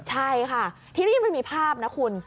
ใช่ค่ะทีนี้มันมีภาพนะคุณ